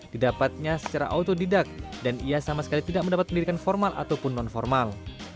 didapatnya secara autodidak dan ia sama sekali tidak mendapat pendidikan formal ataupun non formal